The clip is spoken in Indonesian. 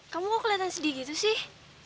kamu kok kelihatan sedih gitu sih